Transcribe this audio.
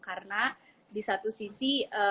karena di satu sisi